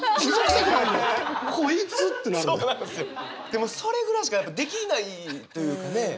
でもそれぐらいしかできないというかね。